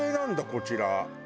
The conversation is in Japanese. こちら。